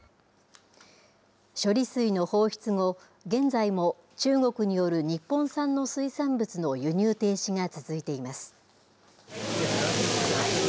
処理水の放出後、現在も中国による日本産の水産物の輸入停止が続いています。